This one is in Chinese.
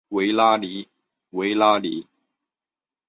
拉维尼。